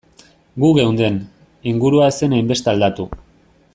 Gu geunden, ingurua ez zen hainbeste aldatu.